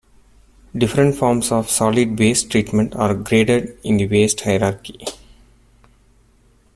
Different forms of solid waste treatment are graded in the waste hierarchy.